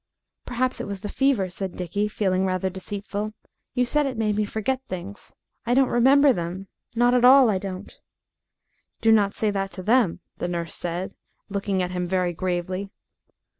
"Perhaps it was the fever," said Dickie, feeling rather deceitful. "You said it made me forget things. I don't remember them. Not at all, I don't." "Do not say that to them," the nurse said, looking at him very gravely.